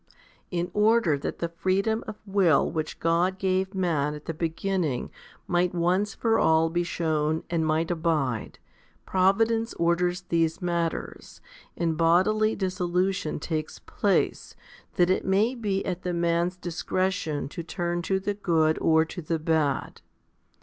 40. In order that the freedom of will which God gave man at the beginning might once for all be shewn and might abide, providence orders these matters, and bodily dissolution takes place, that it may be at the man's discretion to turn to the good or to the bad.